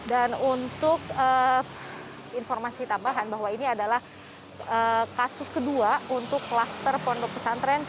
dan untuk informasi tambahan bahwa ini adalah kasus kedua untuk kluster pondok pesantren